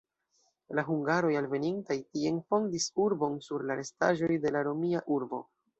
La hungaroj alvenintaj tien fondis urbon, sur la restaĵoj de la romia urbo.